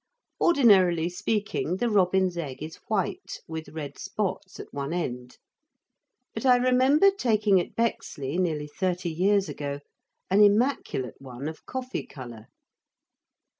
Ordinarily speaking, the robin's egg is white, with red spots at one end, but I remember taking at Bexley, nearly thirty years ago, an immaculate one of coffee colour.